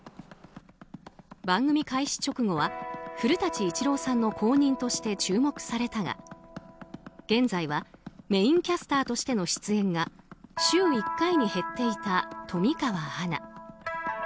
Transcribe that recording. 番組開始直後は古舘伊知郎さんの後任として注目されたが現在はメインキャスターとしての出演が週１回に減っていた富川アナ。